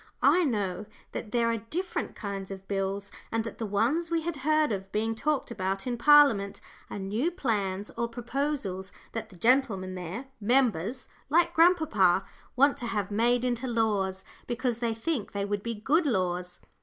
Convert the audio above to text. I know that there are different kinds of bills, and that the ones we had heard of being talked about in Parliament are new plans or proposals that the gentlemen there "members," like grandpapa want to have made into laws, because they think they would be good laws.